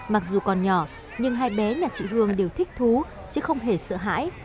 mặc dù còn nhỏ nhưng hai bé nhà chị hương đều thích thú chứ không hề sợ hãi